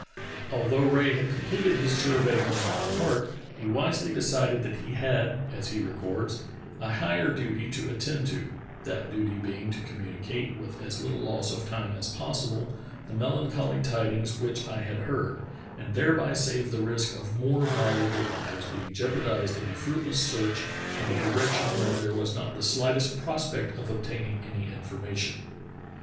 Although Rae had completed his survey only in part, he wisely decided that he had, as he records, "A higher duty to attend to, that duty being to communicate with as little loss of time as possible the melancholy tidings which I had heard, and thereby save the risk of more valuable lives being jeopardized in a fruitless search in 154 True Tales of Arctic Heroism a direction where there was not the slightest prospect of obtaining any information.